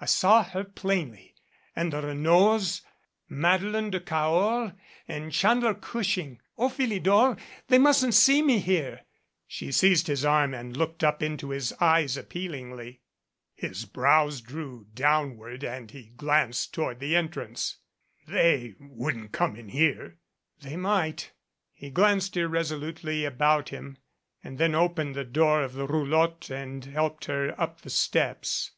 I saw her plainly and the Renauds, Madeleine de Cahors and Chandler Gushing. O Philidor, they mustn't see me here !" She seized his arm and looked up into his eyes appealingly. His brows drew downward and he glanced toward the entrance. 202 MOUNTEBANKS "They wouldn't come in here." "They might " He glanced irresolutely about him and then opened the door of the roulotte and helped her up the steps.